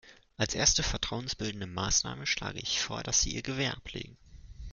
Als erste vertrauensbildende Maßnahme schlage ich vor, dass Sie ihr Gewehr ablegen.